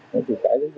cũng như là vũ khí